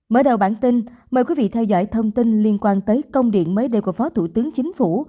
mở đầu bản tin mời quý vị theo dõi thông tin liên quan tới công điện mới đây của phó thủ tướng chính phủ